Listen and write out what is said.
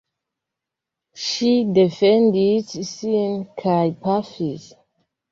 Ŝi defendis sin kaj pafis.